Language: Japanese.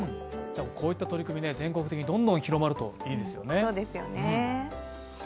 こういった取り組み、全国的にどんどん広まるといいですよね。